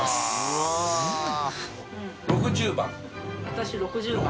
私６０番？